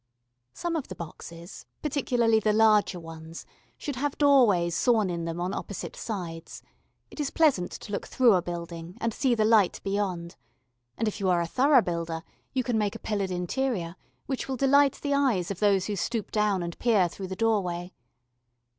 ] Some of the boxes, particularly the larger ones, should have doorways sawn in them on opposite sides it is pleasant to look through a building and see the light beyond; and if you are a thorough builder you can make a pillared interior which will delight the eyes of those who stoop down and peer through the doorway.